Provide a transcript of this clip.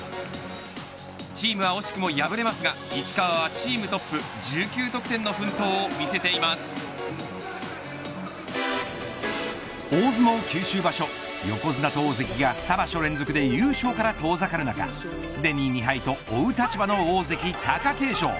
チームは惜しくも敗れますが石川は、チームトップ大相撲九州場所横綱と大関が２場所連続で優勝から遠ざかる中すでに２敗と追う立場の大関、貴景勝。